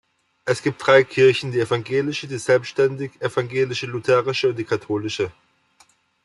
Es gibt drei Kirchen: die evangelische, die selbständig-evangelisch-lutherische und die katholische.